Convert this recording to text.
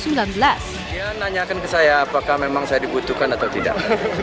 dia nanyakan ke saya apakah memang saya dibutuhkan atau tidak